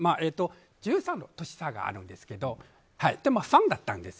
１３の年の差があるんですけどファンだったんです。